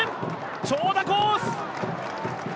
長打コース！